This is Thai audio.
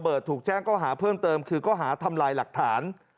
โรเบิร์ตถูกแจ้งเข้าหาเพิ่มเติมคือเข้าหาทำลายหลักฐาน